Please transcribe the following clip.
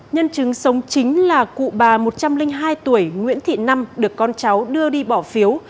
nhân chứng sống chính là cụ bà một trăm linh hai tuổi nguyễn thị năm được con cháu đưa đi bỏ phiếu